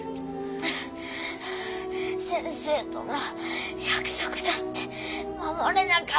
先生との約束だって守れなかった。